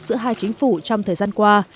giữa hai chính phủ trong thời gian qua